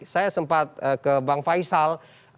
saya sempat ke bang faisal